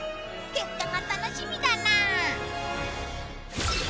結果が楽しみだな！